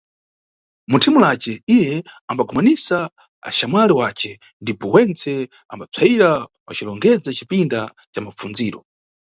Muthimu lace, iye ambagumanisa axamwali wace ndipo wentse ambapsayira wacilongedza cipinda ca mapfundziro.